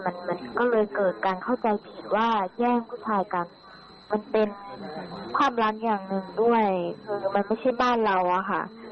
มันมันก็เลยเกิดการเข้าใจผิดว่าแย่งผู้ชายกันมันเป็นความล้ำอย่างหนึ่งด้วยมันไม่ใช่บ้านเราอะค่ะ